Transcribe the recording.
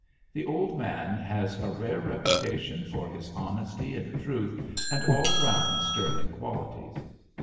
The old man has a rare reputation for his honesty and truth and all round sterling qualities.